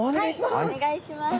お願いします。